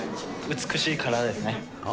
美しい体ですね。